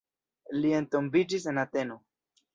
Li entombiĝis en Ateno.